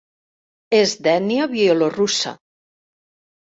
És d'ètnia bielorussa.